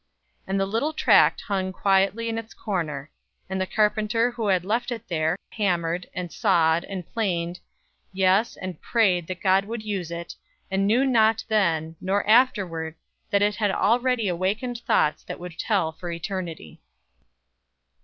And the little tract hung quietly in its corner; and the carpenter who had left it there, hammered, and sawed, and planed yes, and prayed that God would use it, and knew not then, nor afterward, that it had already awakened thoughts that would tell for eternity.